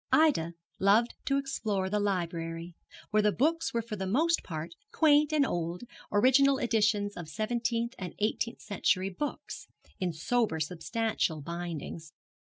Ida loved to explore the library, where the books were for the most part quaint and old, original editions of seventeenth and eighteenth century books, in sober, substantial bindings.